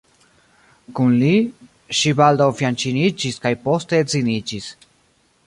Kun li, ŝi baldaŭ fianĉiniĝis kaj poste edziniĝis.